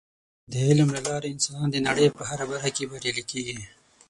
د علم له لارې انسانان د نړۍ په هره برخه کې بریالي کیږي.